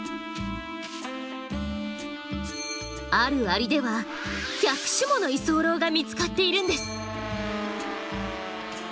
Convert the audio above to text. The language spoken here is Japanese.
あるアリでは１００種もの居候が見つかっているんです。